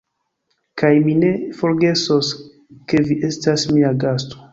Kaj mi ne forgesos, ke vi estas mia gasto!